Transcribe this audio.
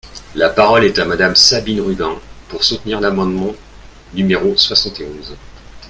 La parole est à Madame Sabine Rubin, pour soutenir l’amendement numéro soixante et onze.